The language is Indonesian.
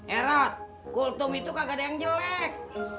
eh rod kultum itu kagak ada yang jelek